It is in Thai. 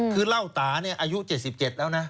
คือเหล้าตาเนี่ยอายุ๗๗แล้วนะ